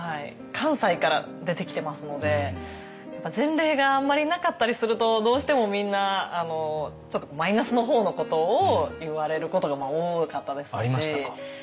関西から出てきてますのでやっぱ前例があんまりなかったりするとどうしてもみんなちょっとマイナスの方のことを言われることが多かったですし。